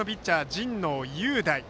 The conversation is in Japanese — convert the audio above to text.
神農雄大。